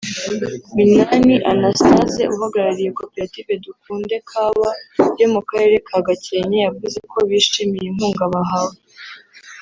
Minani Anastase uhagarariye “Koperative Dukunde kawa” yo mu Karere ka Gakenke yavuze ko bishimiye inkunga bahawe